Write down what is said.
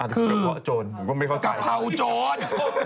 คือกัเปาโจร